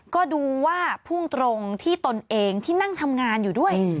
ก็ดูว่าพุ่งตรงที่ตนเองที่นั่งทำงานอยู่ด้วย